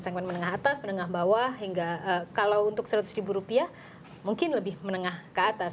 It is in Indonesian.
segmen menengah atas menengah bawah hingga kalau untuk seratus ribu rupiah mungkin lebih menengah ke atas